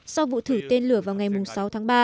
sau vụ thử tên lửa vào ngày sáu tháng ba